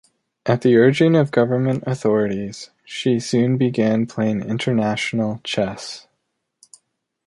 At the urging of government authorities, she soon began playing international chess.